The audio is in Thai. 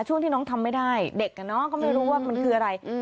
ช่วงที่น้องทำไม่ได้เด็กก็ไม่รู้ว่ามันคืออะไร